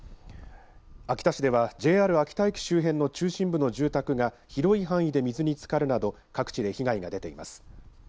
秋田市ではＪＲ秋田駅周辺の中心部の住宅が広い範囲で水につかるなど各地で被害が出ています。